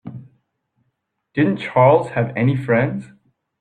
Didn't Charles have any friends?